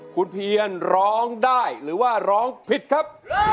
คุณเพียนร้องได้หรือว่าร้องผิดครับ